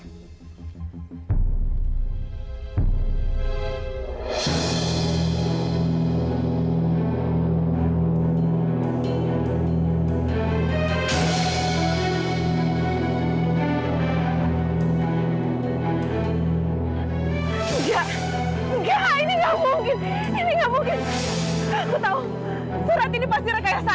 enggak enggak ini nggak mungkin ini nggak mungkin aku tahu surat ini pasti rekayasa